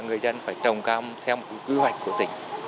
người dân phải trồng cam theo một quy hoạch của tỉnh